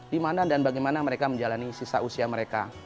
dimana dan bagaimana mereka menjalani sisa usia mereka